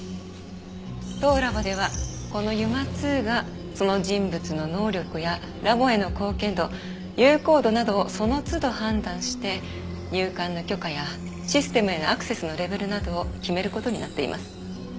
当ラボではこのＵＭＡ−Ⅱがその人物の能力やラボへの貢献度友好度などをその都度判断して入館の許可やシステムへのアクセスのレベルなどを決める事になっています。